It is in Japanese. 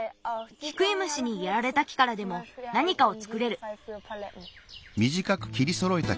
キクイムシにやられた木からでもなにかをつくれる。